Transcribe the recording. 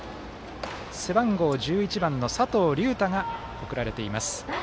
背番号１１番、佐藤龍太が送られています。